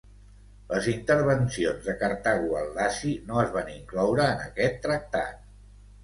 Les intervencions de Cartago al Laci no es van incloure en aquest tractat.